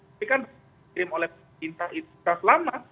tapi kan dikirim oleh inter instans lama